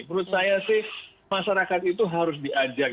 menurut saya sih masyarakat itu harus diajak